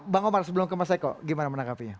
bang omar sebelum ke mas eko gimana menangkapinya